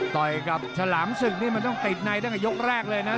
ต่อยกับชะหรามสึกต้องติดในตั้งแต่ยกแรกเลยน่ะ